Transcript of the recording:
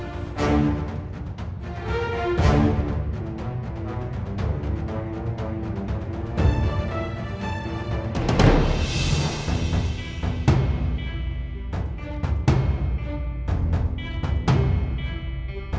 apa yang kamu lakukan ini